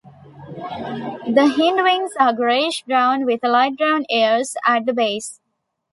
The hindwings are greyish brown with light brown hairs at the base.